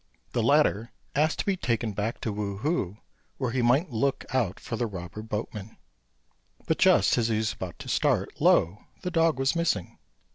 The latter asked to be taken back to Wu hu where he might look out for the robber boatman; but just as he was about to start, lo! the dog was missing.